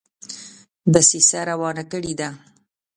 دسیسه روانه کړي ده.